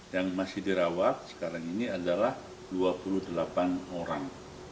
yang masih dirawat sekarang ini adalah dua puluh delapan orang